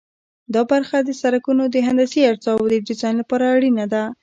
دا برخه د سرکونو د هندسي اجزاوو د ډیزاین لپاره اړینه ده